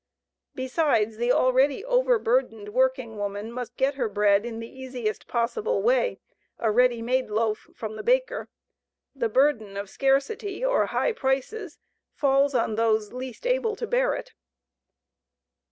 Besides, the already overburdened working woman must get her bread in the easiest possible way a ready made loaf from the baker. The burden of scarcity or high prices falls on those least able to bear it.